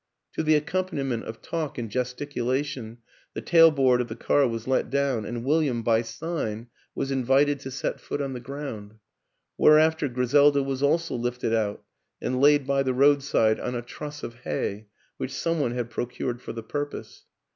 To the accompaniment of talk and gesticulation the tailboard of the car was let down and William, by sign, was invited to set foot on the ground; whereafter Griselda was also lifted out and laid by the roadside on a truss of hay which some one had procured for the purpose.